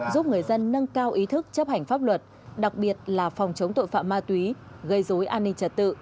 giúp người dân nâng cao ý thức chấp hành pháp luật đặc biệt là phòng chống tội phạm ma túy gây dối an ninh trật tự